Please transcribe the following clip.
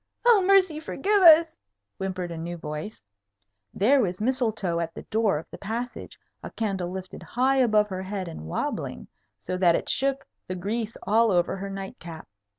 "Oh, mercy forgive us!" whimpered a new voice. There was Mistletoe at the door of the passage, a candle lifted high above her head and wobbling, so that it shook the grease all over her night cap.